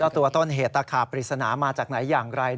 ตัวต้นเหตุตะขาบปริศนามาจากไหนอย่างไร